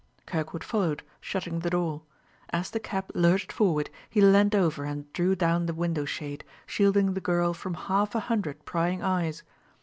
Kirkwood followed, shutting the door. As the cab lurched forward he leaned over and drew down the window shade, shielding the girl from half a hundred prying eyes.